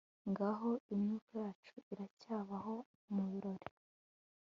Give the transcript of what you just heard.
ngaho, imyuka yacu iracyabaho mubirori